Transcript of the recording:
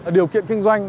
điều kiện kinh doanh